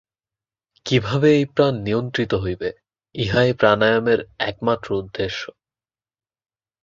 কিভাবে এই প্রাণ নিয়ন্ত্রিত হইবে, ইহাই প্রাণায়ামের একমাত্র উদ্দেশ্য।